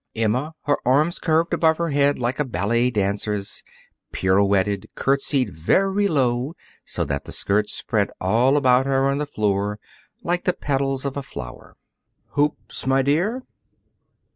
Emma, her arms curved above her head like a ballet dancer's, pirouetted, curtsied very low so that the skirt spread all about her on the floor, like the petals of a flower. "Hoops, my dear!"